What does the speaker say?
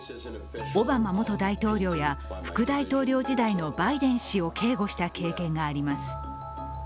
オバマ元大統領や副大統領時代のバイデン氏を警護した経験があります。